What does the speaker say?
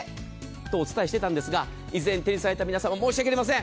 とお伝えしていたんですが以前、手にされた皆様申し訳ございません。